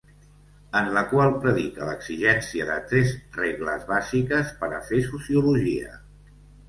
En el qual predica l’exigència de tres regles bàsiques per a fer sociologia.